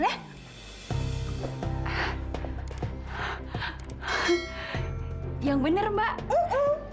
nanti malam kamu harus sudah tampil ya